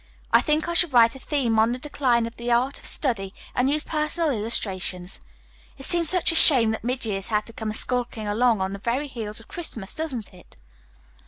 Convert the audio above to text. I think I shall write a theme on the decline of the art of study and use personal illustrations. It seems such a shame that mid years had to come skulking along on the very heels of Christmas, doesn't it?"